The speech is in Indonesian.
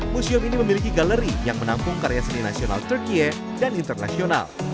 museum ini memiliki galeri yang menampung karya seni nasional turkiye dan internasional